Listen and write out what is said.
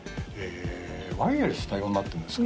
ワイヤレス対応になってます